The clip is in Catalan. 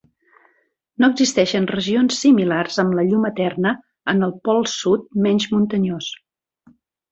No existeixen regions similars amb la llum eterna en el pol sud menys muntanyós.